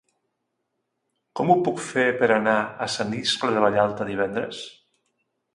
Com ho puc fer per anar a Sant Iscle de Vallalta divendres?